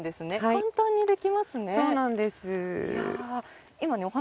簡単にできますね。